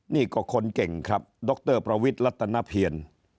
นี่ก็คนเก่งครับดรประวิทย์รัฐนเพียร